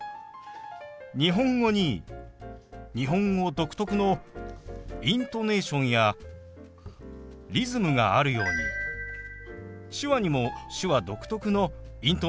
日本語に日本語独特のイントネーションやリズムがあるように手話にも手話独特のイントネーションやリズムがあります。